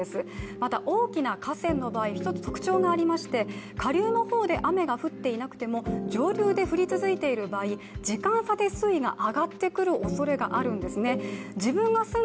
また大きな河川の場合、１つ特徴がありまして、下流の方で雨が降っていなくても上流で降り続いている場合、時間差で水位が上がってくるおそれがあるんですね。